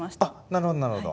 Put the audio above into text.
なるほどなるほど。